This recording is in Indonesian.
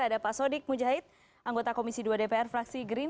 ada pak sodik mujahid anggota komisi dua dpr fraksi gerindra